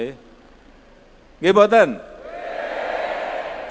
bapak ibu saya sangat menyangkut penjendangan mengge